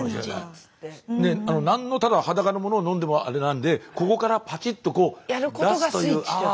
なんのただ裸のものを飲んでもあれなんでここからパチッとこう出すという。